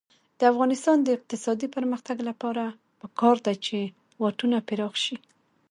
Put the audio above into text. د افغانستان د اقتصادي پرمختګ لپاره پکار ده چې واټونه پراخ شي.